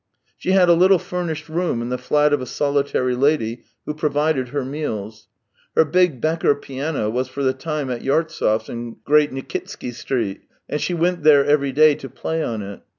She had a little furnished room in the flat of a solitary lady who provided her meals. Her big Becker piano was for the time at Yartsev's in Great Nikitsky Street, and she went there every day to play on it.